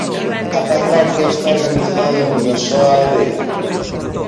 A parroquia está organizada nunha soa aldea.